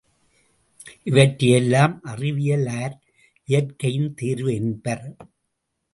இவற்றையெல்லாம் அறிவியலார் இயற்கையின் தேர்வு என்பர்.